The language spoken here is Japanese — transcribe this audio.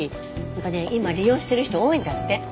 なんかね今利用してる人多いんだって。